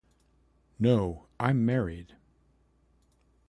No, I'm married.